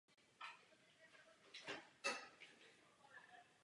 Technicky jde o zastávku na trati o jedné koleji s jedním nástupištěm.